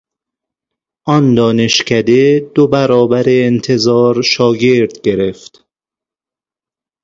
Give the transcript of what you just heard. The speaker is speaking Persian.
آن دانشکده دو برابر انتظار شاگرد گرفت.